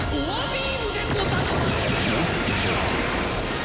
おっと。